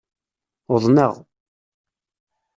Uḍneɣ!